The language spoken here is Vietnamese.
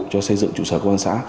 cho xây dựng trụ sở công an xã